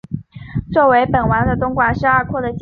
作为本丸的东馆是二廓的简单结构。